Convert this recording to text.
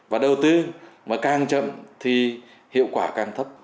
và đầu tư mà càng chậm thì hiệu quả càng thấp